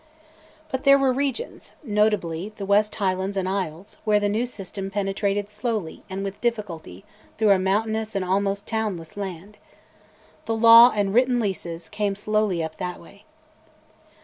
But there were regions, notably the west Highlands and isles, where the new system penetrated slowly and with difficulty through a mountainous and almost townless land. The law, and written leases, "came slowly up that way."